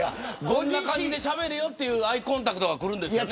こんな感じでしゃべれよというアイコンタクトがくるんですよね。